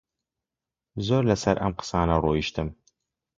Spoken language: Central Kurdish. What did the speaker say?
زۆر لەسەر ئەم قسانە ڕۆیشتم